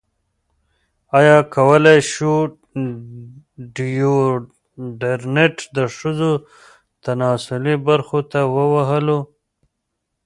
ایا کولی شو ډیوډرنټ د ښځو تناسلي برخو ته ووهلو؟